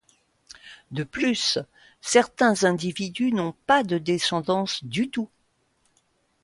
De plus, certains individus n'ont pas de descendance du tout.